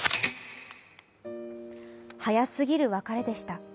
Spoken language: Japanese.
早すぎる別れでした。